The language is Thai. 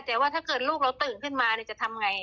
แต่ว่าถ้าเกิดลูกเราตื่นขึ้นมาจะทำไง